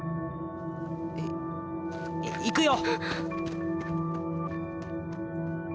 い行くよ！